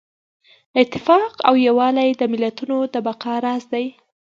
اتفاق او یووالی د ملتونو د بقا راز دی.